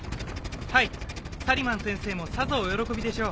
はいサリマン先生もさぞお喜びでしょう。